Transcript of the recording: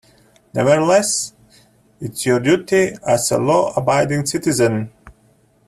Nevertheless, it’s your duty, as a law-abiding citizen.